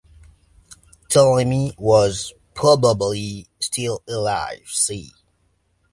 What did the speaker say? Ptolemy was probably still alive "c".